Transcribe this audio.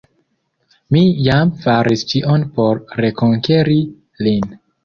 Mi jam faris ĉion por rekonkeri lin.